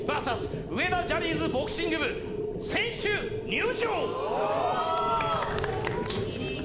上田ジャニーズボクシング部選手、入場！